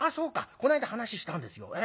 こないだ話したんですよ。